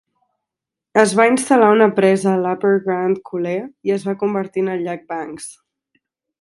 Es va instal·lar una presa a l'Upper Grand Coulee i es va convertir en el llac Banks.